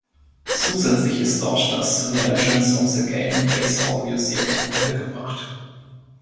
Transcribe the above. Zusätzlich ist dort das "Legends of the Game Baseball Museum" untergebracht.